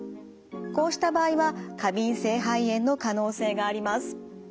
こうした場合は過敏性肺炎の可能性があります。